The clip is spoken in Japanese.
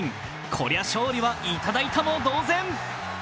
こりゃ勝利は、いただいたも同然。